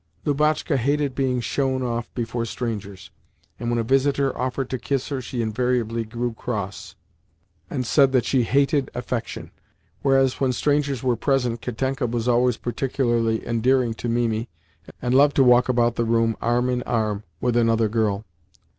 Lubotshka hated being shown off before strangers, and when a visitor offered to kiss her she invariably grew cross, and said that she hated "affection"; whereas, when strangers were present, Katenka was always particularly endearing to Mimi, and loved to walk about the room arm in arm with another girl.